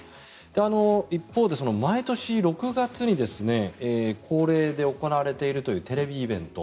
一方、毎年６月に恒例で行われているというテレビイベント。